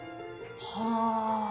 はあ。